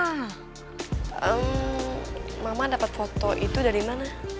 ehm mama dapet foto itu dari mana